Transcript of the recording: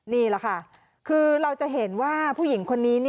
นี่แหละค่ะคือเราจะเห็นว่าผู้หญิงคนนี้